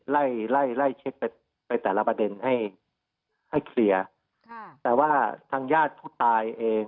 ไล่ไล่เช็คไปไปแต่ละประเด็นให้ให้เคลียร์ค่ะแต่ว่าทางญาติผู้ตายเอง